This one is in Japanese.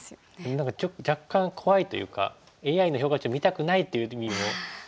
何か若干怖いというかＡＩの評価値を見たくないという時にもあるんですよね。